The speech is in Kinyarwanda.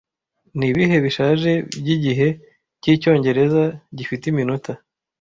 Nibihe bishaje byigihe cyicyongereza gifite iminota